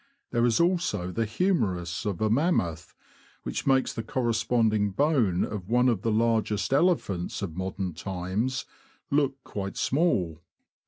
There is also the humerus of a mammoth, which makes the corresponding bone of one of the largest elephants of modern times look quite small.